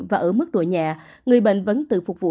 và ở mức độ nhẹ người bệnh vẫn tự phục vụ